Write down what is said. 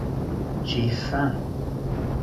J’ai faim.